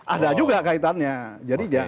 ada juga kaitannya